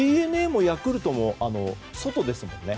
ＤｅＮＡもヤクルトも外ですもんね。